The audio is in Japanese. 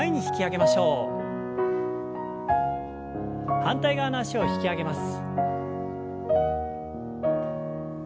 反対側の脚を引き上げます。